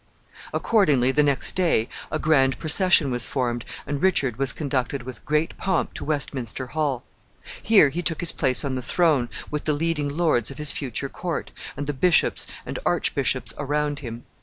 Accordingly, the next day, a grand procession was formed, and Richard was conducted with great pomp to Westminster Hall. Here he took his place on the throne, with the leading lords of his future court, and the bishops and archbishops around him.